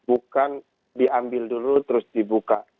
bukan diambil dulu terus dibuka